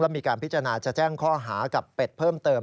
มีการพิจารณาจะแจ้งข้อหากับเป็ดเพิ่มเติม